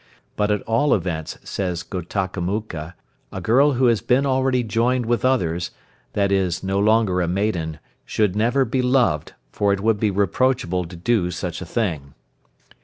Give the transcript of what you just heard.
But at all events, says Ghotakamukha, a girl who has been already joined with others (i.e., no longer a maiden) should never be loved, for it would be reproachable to do such a thing.